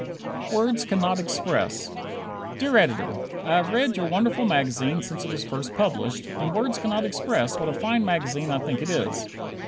"Words Cannot Express" Dear Editor: I have read your wonderful magazine since it was first published, and words cannot express what a fine magazine I think it is.